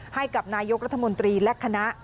ให้กับนายกรัฐมนตรีและคณะ